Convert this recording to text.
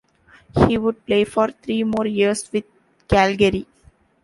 He would play for three more years with Calgary.